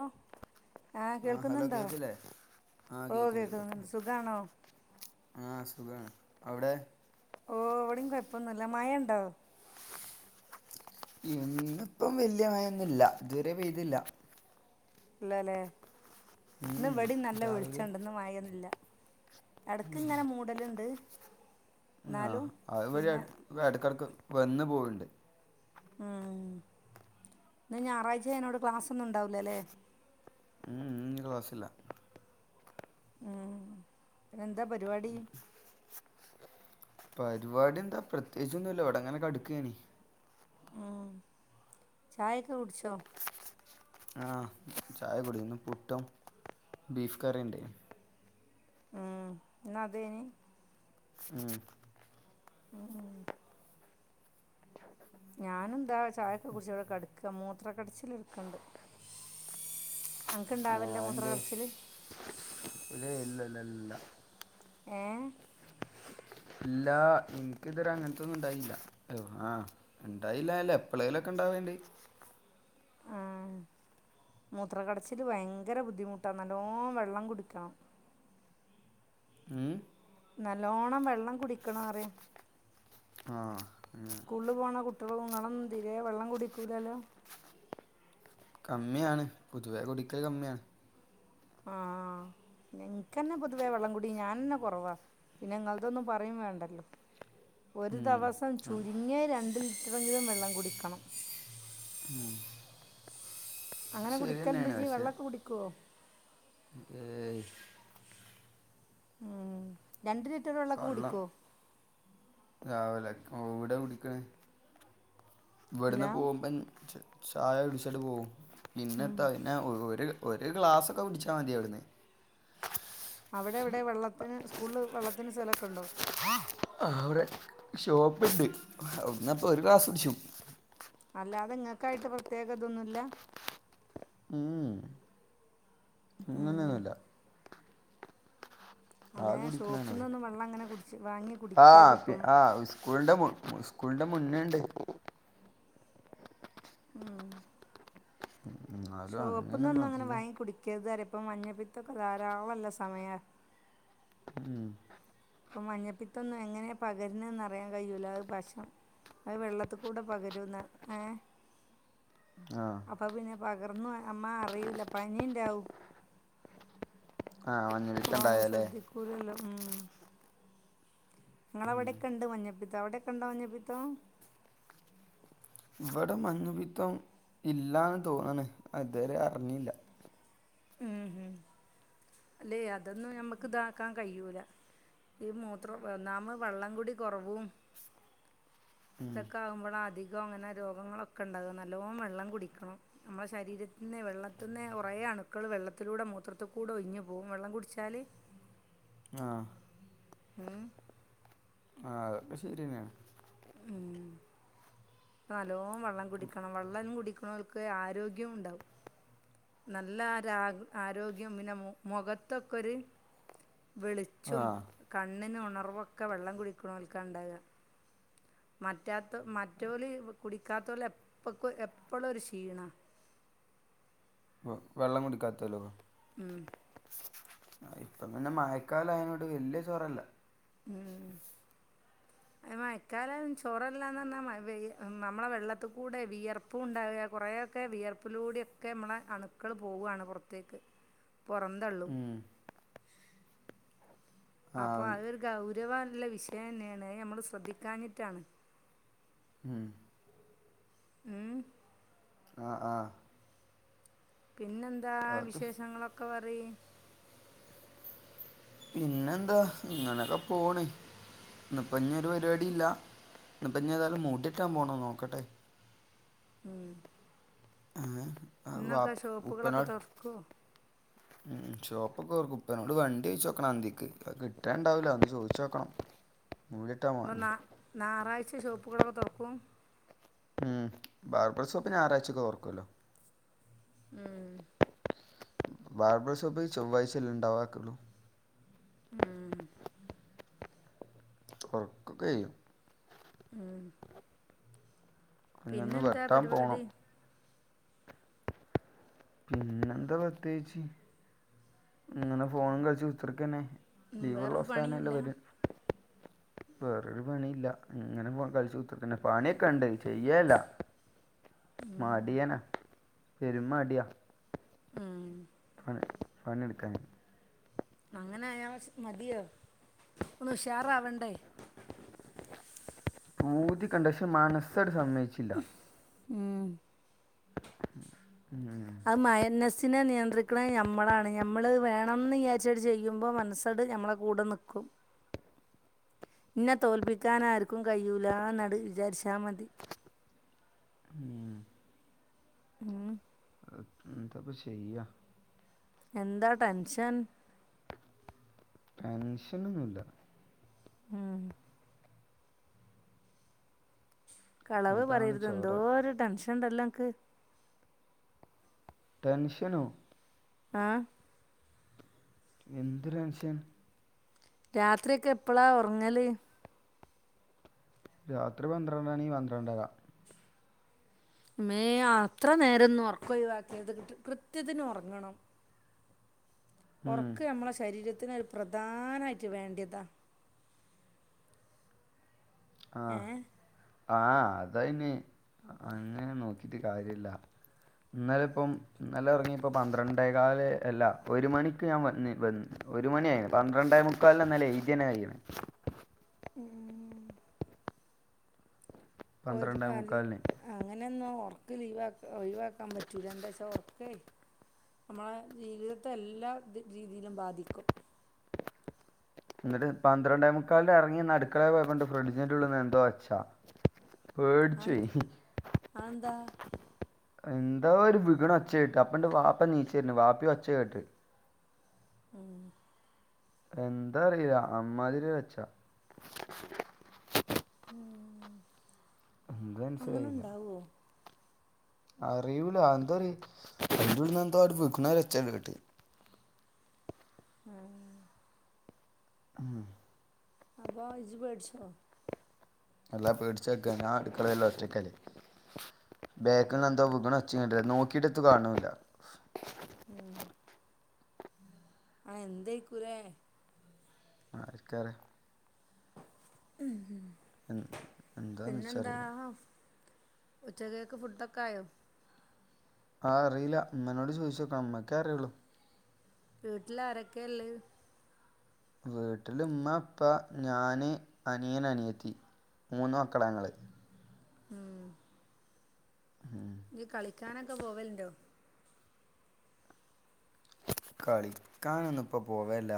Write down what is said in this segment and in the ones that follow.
Hello ആഹ് ആ hello കേൾക്കുന്നുണ്ടോ? കേക്കില്ലേ ഓഹ് കേൾക്കുന്നുണ്ട്. സുഖാണോ? ആഹ് സുഖാണ്. അവിടെ? ഓഹ് ഇവടിം കൊഴപ്പൊന്നുല്ല. മഴ ണ്ടോ? ഇന്ന് ഇപ്പം വല്യ മയൊന്നുല്ല ഇതുവരെ പെയ്തില്ല ഇല്ലല്ലേ. ഇന്ന് ഉം ഇവടിം നല്ല രാവിലെ വെളിച്ചണ്ട് ഇന്ന് മയൊന്നില്ല. എടക്ക്‌ ഇങ്ങനെ മൂടല്ണ്ട്. ആഹ് അത് വെടിം എട് എടക്കെടക്ക് വന്ന് പോയിണ്ട്. ആഹ്. ഇന്ന് ഞായറാഴ്ച ആയെനോട് ക്ലാസ് ഒന്നും ഉണ്ടാവില്ലല്ലേ? ഉംമ് മ്മ് ഇഞ് ക്ലാസ്സില്ല. ഉം പിന്നെ എന്താ പരിപാടി? പരിപാടി എന്താ പ്രത്യേകിച്ചൊന്നുല്ല. ഇവടെ ഇങ്ങനെ കെടക്കേനി. ഉം. ചായക്കെ കുടിച്ചോ? ആഹ്. ചായക്കെ കുടിച്. ഇന്ന് പുട്ടും ബീഫ് കറീം ഇണ്ട്. ഉം ഇന്ന് അതേനി? ഉം ഉം ഉം ഞാന് ന്താ ചായൊക്കെ കുടിച്ച് ഇവടെ കെടക്കാ. മൂത്ര കടിച്ചില് ഇട്ക്ണ്ട്. അൻക്ക് ഇണ്ടാവൽണ്ടോ മൂത്ര കടച്ചില്? ലേ ഇല്ല ല്ല ല്ല. ഏഹ്? ഇല്ലാ. ഇൻക്ക്തരെ അങ്ങൻത്തൊന്നും ഇണ്ടായില്ല. ആഹ് ഇണ്ടായില്ല അല്ല എപ്പളേലൊക്കെ ഇണ്ടാവൽ ണ്ട്. മൂത്ര കടച്ചില് ഭയങ്കര ബുദ്ധിമുട്ടാ നല്ലോം വെള്ളം കുടിക്കണം. ഊം? നല്ലോണ്ണം വെള്ളം കുടിക്കണാറ്യ. ആഹ് സ്കൂളിൽ പോണ കുട്ടിയേൾ ങ്ങളൊന്നും തീരേ വെള്ളം കുടിക്കൂലല്ലോ. കമ്മിയാണ്. പൊതുവെ കുടിക്കൽ കമ്മിയാണ്. ആഹ് ആഹ്. ഇൻക്കെന്നെ പൊതുവേ വെള്ളംകുടി ഞാനന്നെ കുറവാ. പിന്നെ ഇങ്ങൾതൊന്നും പറ്യും വേണ്ടല്ലോ. ഒരു ഉം ദിവസം ആ ചുരുങ്ങിയെ രണ്ട് ലിറ്ററെങ്കിലും വെള്ളം കുടിക്കണം. [inaudible] അങ്ങനെ ശരി കുടിക്കൽൻ്റൊ തന്നെയാണ് ഇജ്ജി പക്ഷേ വെള്ളൊക്കെ കുടിക്കോ? ഏയ് ഉം. രണ്ട് ലിറ്റർ വെള്ളൊക്കെ വെള്ളം കുടിക്കോ? രാവിലെ. എവ്ടെ കുടിക്കണ്. ഇല്ല ഇവിടുന്ന് പോകുമ്പം ചായ കുടിച്ചിട്ട് പോകും ഉം പിന്നെത്ത പിന്നെ ഒരു ഒരു ഗ്ലാസ്സൊക്കെ കുടിച്ചാൽ മതിവിടുന്ന് അവിടെ എവിടെ വെള്ളത്തിന് സ്കൂളിൽ വെള്ളത്തിന് സ്ഥലൊക്കെണ്ടോ ആഹ ആ അവിടെ ഷോപ്പിണ്ട് അവിടിന്നിപ്പ ഒരു ഗ്ലാസ് കൂടിച്ചു അല്ലാതെ ഇങ്ങക്കായിട്ട് പ്രത്യേക ഇതൊന്നുല്ല ഉം ഉം അങ്ങനെന്നുല്ല അത് അങ്ങനെ ഷോപ്പിൽ കുടിക്കണാണ് നിന്നൊന്നും വെള്ളം അങ്ങനെ കുടിച്ച് വാങ്ങി ആ കുടിക്കരുത് ഇപ്പം ആ സ്കൂളിന്റെ സ്കൂളിന്റെ മുന്നേണ്ട് ഉം എന്നാലും അങ്ങനെയൊന്നും ഷോപ്പിന്നൊന്നും അങ്ങനെ അധികം വാങ്ങി കുടിക്കരുത്തരപ്പം മഞ്ഞപ്പിത്തൊക്കെ ധാരാളല്ല സമയാ ഉം അപ്പം മഞ്ഞപ്പിത്തൊന്നും എങ്ങനെയാണ് പകരുന്നറിയാൻ കഴ്യോല പക്ഷം അത് വെള്ളത്തിൽ കൂടെ പകരുന്ന ഏഹ് ആഹ് അപ്പ പിന്നെ പകർന്നു നമ്മ അറിയൂല്ല പനിണ്ടാവും ആഹ് അപ്പ നമ്മള് ശ്രദ്ധിക്കൂലല്ലോ ഉം നിങ്ങളവിടെക്ക്ണ്ട് മഞ്ഞപ്പിത്തം അവിടക്കെണ്ടോ മഞ്ഞപ്പിത്തോം ഇവിടെ മഞ്ഞപ്പിത്തം ഇല്ലാന്ന് തോന്നണ് അതുവരെ അറിഞ്ഞില്ല ഉം ഉം അല്ലെ അതൊന്നും ഞമ്മക്ക് ഇതാക്കാൻ കഴിയൂല ഈ മൂത്രം ഒന്നാമ വെള്ളംകൂടി കുറവും ഇതൊക്കെ ആകുമ്പോഴ അധികം അങ്ങനെ രോഗങ്ങളൊക്കെ ഇണ്ടാവുക നല്ലോണം വെള്ളം കുടിക്കണം നമ്മടെ ശരീരത്തിന്ന് വെള്ളത്തിന്ന് കുറയാണ് ക്കൾ വെള്ളത്തിലൂടെ മൂത്രത്തിൽ കൂടെ ഒഴിഞ്ഞ് പോവും വെള്ളം കുടിച്ചാല് ആഹ് ഉം ആ അതൊക്കെ ശരിന്നെയാണ് ഉം നല്ലോം വെള്ളം കുടിക്കണം വെള്ളം കുടിക്കണോൽക്ക് ആരോഗ്യവുംണ്ടാവും നല്ലരാ ആരോഗ്യം പിന്നെ മുഖത്തൊക്കൊരു ആ വെളിച്ചും കണ്ണിനുണർവൊക്കെ വെള്ളം കുടിക്കുന്നോൽക്കാ ഇണ്ടാവ മറ്റാത്ത മറ്റൊല് കുടിക്കാതോല്‌ എപ്പക് എപ്പളോരു ക്ഷീണ ആഹ് വ വെള്ളം കുടിക്കാത്തൊലോ ഉം ഇപ്പ പിന്നെ മയക്കലായൊണ്ട് വല്യചോറല്ല്യ ഉം എ മയക്കാലം ചോറല്ലാന്ന്റഞ്ഞാ മയപെയ് നമ്മള വെള്ളത്തികൂടെ വിയർപ്പും ഉണ്ടാവുല കുറെയൊക്കെ വിയർ പ്പിലൂടെക്കെ നമ്മളെ അണുക്കൾ പോവാണ് പൊറത്തേക്ക് പൊറന്തള്ളും ഉം ആ അപ്പോ അതൊരു ഗൗരവള്ള വിഷയന്നെയാണ് അയ് നമ്മള് ശ്രദ്ധിക്കാഞ്ഞിട്ടാണ് ഉം ഉം ആഹ് ആഹ് അതൊക്കെ പിന്നെന്താവിശേഷങ്ങളൊക്കെ പറിയി പിന്നെന്താ ഇങ്ങനൊക്കെ പോണ് ഇന്നിപ്പ ഇനിയൊരു പരിപാടില്ല ഇപ്പ ഞേതായാലും മൂട്ടിട്ടാൻ പോണം നോക്കട്ടെ ഉം ആഹ് ഇന്നൊക്കെ ഷോപ്പുകളൊക്കെ തോർക്കോ ഉം ഷോപ്പോക്കെ തോർക്കും ഇപ്പനോട് വണ്ടി ഓയിച്ചോക്കണം അന്തിക്ക് അയികിട്ടാണ്ടാവില ഒന്ന് ചോയിച്ചോക്കണം [unintelligible] വന്നാ നാറാഴ്ച ഷോപ്പുകളൊക്കെതൊറക്കും ഉം ബാർബർഷോപ്പ് ഞാറാഴ്ചൊക്കെ തൊറക്കൊല്ലോ ഉം ബാർബർഷോപ്പ് ചൊവ്വായ്ചെല്ലെഇണ്ടാവാക്ള്ളു ഉം ഓർക്കൊകെയും ആഹ് ഇഞ്ഞൊന്ന് പരിപാടി വെട്ടാൻപോണം പിന്നെന്താ പ്രത്യേകിച്ച് ഇങ്ങനെഫോണുംകളിച്ചു കുത്തിർക്കന്നെ ഉം വേറൊരു ലീവ്ള്ളസം പണിയുല്ല ങ്ങനല്ലേവെര വേറൊരു പണിയില്ല ഇങ്ങനെ ഫോൺകളിച് ത് പിന്നെ പണിയൊക്കെണ്ട് ചെയ്യല്ല മാടിയനാ പെരുമ്മടിയാ ഉം ആഹ് പണിട്ക്കാന് അങ്ങനെയാമതിയോ ഒന്നുഷാറാവണ്ടേ പൂതിയൊകണ്ട്പഷേ മനസാണ്ട് സമ്മയിച്ചില്ല ഉം ഉം മയന്നെസിനെനിയന്ത്രിക്ക്ണത് നമ്മളാണ്നമ്മൾ വേണംന്നിയാച്ച ചെയ്യുമ്പോ മനസ്സാണ്ട്നമ്മള കൂടെ നിക്കും ഇന്നെ തോൽപ്പിക്കാനാർക്കും കയൂലനാണ്ട് വിചാരിച്ചാ മതി ഉം. ഉം എന്താപ്പചെയ്യാ എന്താടെൻഷൻ ടെൻഷനൊന്നുമല്ല ഉം കളവ് അതാണ് പറയരുത് ചോര എന്തോ ഒരു ടെൻഷൻ ഉണ്ടല്ലോ അനക്ക് ടെൻഷനോ ആ എന്ത് ടെൻഷൻ രാത്രിയൊക്കെ എപ്പോഴാ ഉറങ്ങല് രാത്രി പന്ത്രണ്ടണ്ടണി പന്ത്രണ്ടര മേ അത്ര നേരന്ന് ഉറക്കൊയവാക്കര്ത് കൃത്യത്തിന് ഉറങ്ങണം ഉം. ഉറക്ക് നമ്മള ശരീരത്തിന് ഒരു പ്രധാനായിട്ട് വേണ്ടിയതാ ഏ ആഹ ആഹ അതയ്ന് അങ്ങനെ നോക്കിട്ട് കാര്യല്ല ഇന്നല ഇപ്പം ഇന്നലെ ഉറങ്ങി പ്പോ പന്ത്രണ്ടേകാല അല്ല ഒരു മണിക്ക് ഞാൻ വന്ന് വന്നി ഒരു മണി ആയി പന്ത്രണ്ടേ മുക്കാല്ലന്നല്ലെ എയ്തിന്നെ കയ്ണ് ഉം ഒരു പന്ത്രണ്ടേ രാല് മുക്കാലിന് അങ്ങനൊന്നും ഉറക്ക ലീവാ ഒയിവാക്കാൻ പറ്റൂല എന്താ ച്ചാ ഉറക്കേ നമ്മളെ ജീവിതത്തെ എല്ലാ രീതിയിലും ബാധിക്കും എന്നിട്ട് പന്ത്രണ്ടേമുക്കാലിന് ഇറങ്ങി അടുക്കളെ പോയൊണ്ട് ഫ്രിഡ്ജിന്റെ ഉള്ള്ന്ന് എന്തോ ഒച്ഛാ പേടിച്ചോയി ആക്ന്താ എന്താ ഒരു വീകണ ഒച്ച കേട്ട് അപ്പണ്ട് വാപ്പ നീച്ചര്ണ് വാപ്പിയൊച്ച കേട്ട് ഉം എന്താറിയില അമ്മാതിരി ഒച്ചാ [unintelligible] അങ്ങനെ കഴിയൂല്ല ഉണ്ടാവോ ആറിയൂല എന്തോര് ഇതിൽന്ന് എന്തോ ഒര് സിഗ്നൽ ഒച്ചയങ്ങ് കേട്ട് ഉം ഉം അപ്പോ ഇജ് പേടിച്ചോ? എല്ലാ പേടിച്ചാക്കാ ഞാൻ അടുക്കളേല് ഒറ്റക്കല്ലേ ബേക്ക എന്തോ വച്ചണ്ട നോക്കിട്ടത്ത് കാണില്ല ആഹ് എന്തായിക്കൂലേ ആരിക്കറിയാ ഉം ഉം എന്താന്ന് പിന്നെന്താ വെച്ചറിയില്ല ഉച്ചക്കേക്ക് ഫുഡൊക്കെ ആയോ? ആഹ് അറിയില്ല ഉമ്മനോട് ചോദിച്ചോക്കണം ഉമ്മക്കേ അറിയുള്ളൂ വീട്ടില് ആരൊക്കെയാള്ളേ? വീട്ടില് ഉമ്മ ഉപ്പാ ഞാന് അനിയൻ അനിയെത്തി മൂന്നു മക്കളാ ഞങ്ങള് ഉം ഉം [unintelligible] കളിക്കാനൊക്കെ പോവലുണ്ടോ? കളിക്കാനൊന്നും ഇപ്പോ പോവലില്ല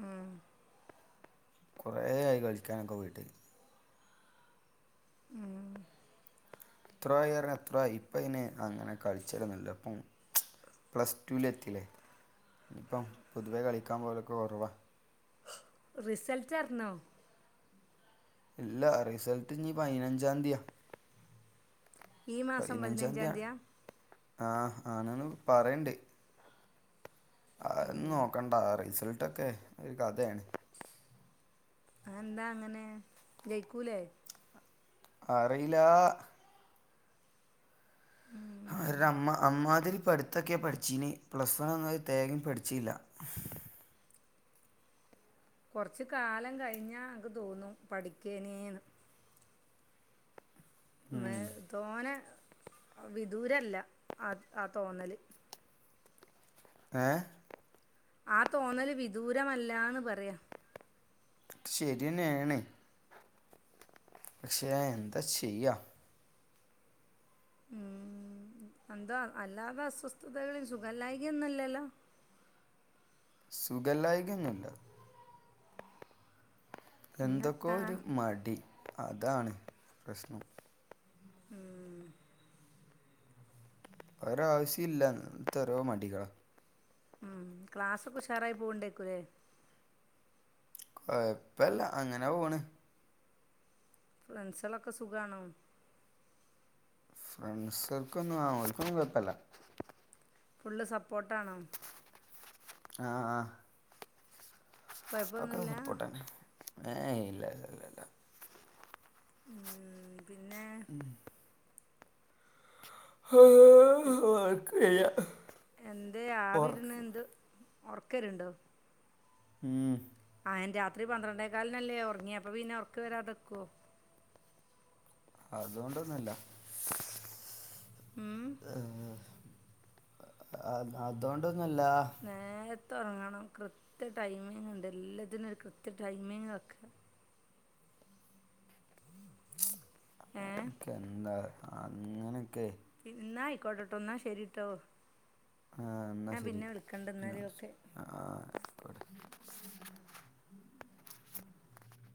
ഉം കൊറേയായി കളിക്കാനൊക്കെ പോയിട്ട് എത്രയോ ആയി പറഞ്ഞാ എത്രോ ആയി ഇപ്പ അയിന് അങ്ങനെ കളിച്ചലൊന്നൂല്ല ഇപ്പം പ്ലസ്ടൂലെത്തില്ലേ ഇനിപ്പം പൊതുവേ കളിക്കാൻ പോവലൊക്കെ കൊറവാ റിസൾട്ട് ആറിഞ്ഞോ ഇല്ല റിസൾട്ട് ഇഞ്ഞി പയിനഞ്ചാതീയാ ഈ മാസം പതിനഞ്ചാം പയിനഞ്ചാംതിയാണ് തീയതി ആഹ് ആണ്ന്ന് പറയ്ണ്ട് അതൊന്നും നോക്കണ്ട റിസൾട്ടൊക്കെ ഒരു കഥയാണ് അത് എന്താ അങ്ങനെ ജയിക്കൂലേ? അറീയിലാ ആരുടെ അമ്മ അമ്മാതിരി പഠിത്തൊക്കെയാ പഠിച്ചീനി പ്ലസ് വണ്ണ്ന്ന് ഒരു തേങ്ങേ പഠിച്ചീല്ല കൊറച്ച് കാലം കഴിഞ്ഞാ അനക്ക് തോന്നും പഠിക്കേനീന്ന് മേ- ഉം തോനെ അ വിദൂരല്ല അത് ആ തോന്നല് ഏഹ് ആ തോന്നല് വിദൂരമല്ലാന്ന് പറയാ ശരിയെന്നെയാണ് പക്ഷെ എന്താ ചെയ്യാ ഉം എന്താ അല്ലാതെ അസ്വസ്ഥതകളിൽ സുഖല്ലായ്ക ഒന്നും അല്ലല്ലോ സുഖല്ലായ്ക ഒന്നുല്ല എന്തൊക്കോ പിന്നെത്താ ഒരു മടി അതാണ് പ്രശ്നം ഉം ഒരാവശ്യോ ഇല്ല അങ്ങനത്തെ ഓരോ മടികളാ ഉം ക്ലാസ്സൊക്കെ ഉഷാറായി പോണ്ടായിരിക്കൂല്ലേ കൊഴപ്പല്ല അങ്ങനെ പോണ് ഫ്രണ്ട്സുകളൊക്കെ സുഖാണോ? ഫ്രണ്ട്സ്കൾക്കൊന്നും ആഹ് ഓൽക്കൊന്നും കൊഴപ്പല്ല ഫുള്ള് സപ്പോട്ടാണോ? ആഹ് ആഹ് [unintelligible] കുഴപ്പമൊന്നുമില്ല സപ്പോട്ടാണ് ഏയ് ഇല്ല ഇല്ല ഇല്ല ഉം പിന്നെ [unintelligible] ഒർക്ക് വെരാ ഓർക് ഓർക്കെര്ണ്ടാെ ഏഹ് ആഹ് അയിൻ രാത്രി പന്ത്രെണ്ടേ കാൽനല്ലേ ഒർങ്ങ്യെ അപ്പ പിന്നെ ഒർക്ക് വരാതെക്കോ അതുകൊണ്ടൊന്നാെല്ലാ ഏഹ് അത് അതോണ്ടൊന്നാെല്ലാ നേര്ത്തെ ഒർങ്ങെണം കൃത്യ ടൈമിംഗ്ണ്ട് എല്ലത്തിനും ഒരു കൃത്യ ടൈമിംഗ് വെക്കാ ഏ ക്ക് എന്താറ്യോ അങ്ങെനെക്കെ ഇന്നാ ആയിക്കോട്ടെട്ടോ ഇന്നാ ശരി ട്ടോ ആ ഞാൻ പിന്നെ വിളിക്കണ്ട് ഇന്നാല് ഒക്കെ ആഹ് അയ്ക്കോട്ടെ